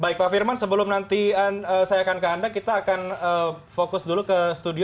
baik pak firman sebelum nanti saya akan ke anda kita akan fokus dulu ke studio